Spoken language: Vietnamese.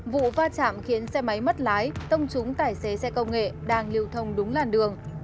vụ va chạm khiến xe máy mất lái tông trúng tài xế xe công nghệ đang lưu thông đúng làn đường